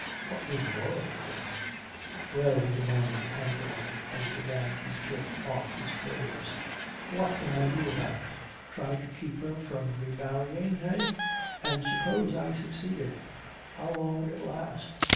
What was Laura beginning? "Well," he demanded angrily, as he began to jerk off his clothes, "what can I do about it? Try to keep her from re marrying, eh? And suppose I succeeded, how long would it last?